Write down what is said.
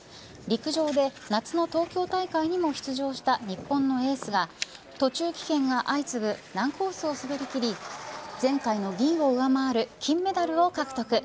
陸上で夏の東京大会にも出場した日本のエースが途中棄権が相次ぐ難コースを滑りきり前回の２位を上回る金メダルを獲得。